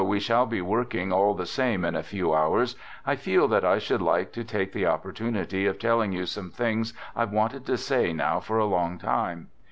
22 "THE GOOD SOLDIER" 23 the same in a few hours, I feel that I should like to take the opportunity of telling you some things IVe wanted to say now for a long time.